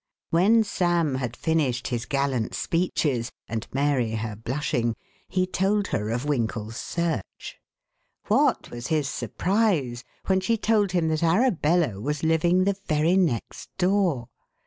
When Sam had finished his gallant speeches and Mary her blushing, he told her of Winkle's search. What was his surprise when she told him that Arabella was living the very next door.